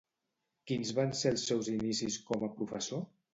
Quins van ser els seus inicis com a professor?